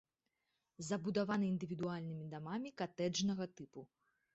Забудаваны індывідуальнымі дамамі катэджнага тыпу.